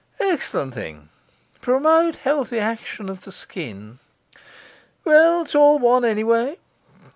'Exc'lent thing promote healthy action of the skin. Well, it's all one, anyway.